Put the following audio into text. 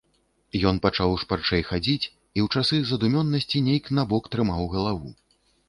Ён пачаў шпарчэй хадзіць і ў часы задумёнасці нейк набок трымаў галаву.